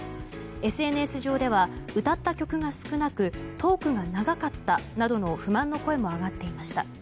ＳＮＳ上では歌った曲が少なくトークが長かったなどの不満の声も上がっていました。